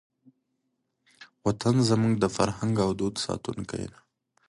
وطن زموږ د فرهنګ او دود ساتونکی دی.